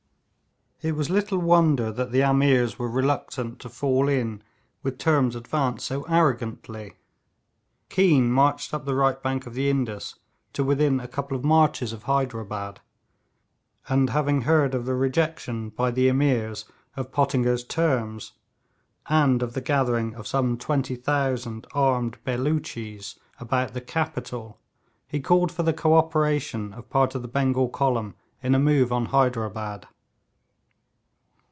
It was little wonder that the Ameers were reluctant to fall in with terms advanced so arrogantly. Keane marched up the right bank of the Indus to within a couple of marches of Hyderabad, and having heard of the rejection by the Ameers of Pottinger's terms, and of the gathering of some 20,000 armed Belooches about the capital, he called for the co operation of part of the Bengal column in a movement on Hyderabad.